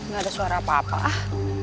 gak ada suara apa apa ah